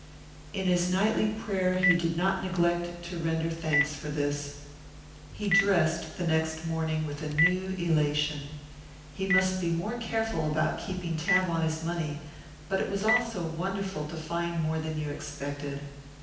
In his nightly prayer he did not neglect to render thanks for this. He dressed the next morning with a new elation. He must be more careful about keeping tab on his money, but also it was wonderful to find more than you expected.